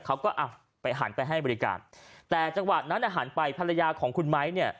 เขาก็อ่ะไปหันไปให้บริการแต่จังหวะนั้นหันไปภรรยาของคุณไม้เนี่ย